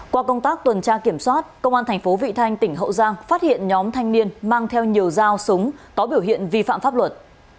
qua công tác tuần tra kiểm soát công an thành phố vị thanh tỉnh hậu giang phát hiện nhóm thanh niên mang theo nhiều dao súng có biểu hiện vi phạm pháp luật